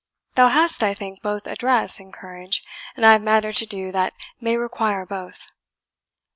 Thou hast, I think, both address and courage, and I have matter to do that may require both."